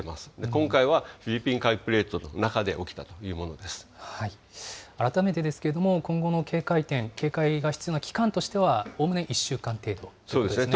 今回はフィリピン海プレートの中改めてですけれども、今後の警戒点、警戒が必要な期間としてはおおむね１週間程度ということそうですね。